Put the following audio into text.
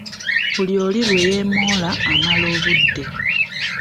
Buli oli lwe yeemoola amala obudde.